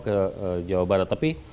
ke jawa barat tapi